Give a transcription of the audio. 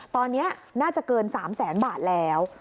ตอนนี้น่าจะเกิน๓แสนบาทแล้ว